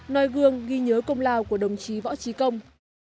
nói gương ghi nhớ công lao của đồng chí võ trí công